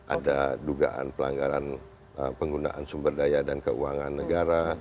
ada dugaan pelanggaran penggunaan sumber daya dan keuangan negara